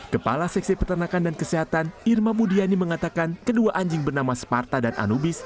kepala seksi peternakan dan kesehatan irma budiani mengatakan kedua anjing bernama sparta dan anubis